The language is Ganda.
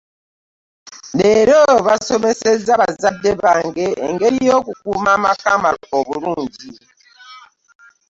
Leero basomeseza bazadde bange engeri y'okukuuma amaka obulungi.